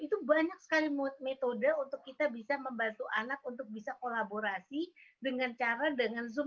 itu banyak sekali metode untuk kita bisa membantu anak untuk bisa kolaborasi dengan cara dengan zoom